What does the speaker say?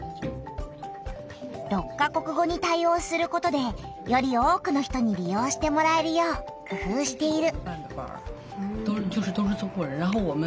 ６か国語に対おうすることでより多くの人にり用してもらえるようくふうしている。